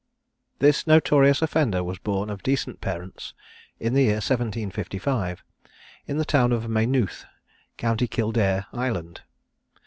This notorious offender was born of decent parents in the year 1755, in the town of Maynooth, county Kildare, Ireland.